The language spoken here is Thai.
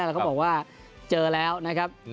แล้วก็บอกว่าเจอแล้วนะครับ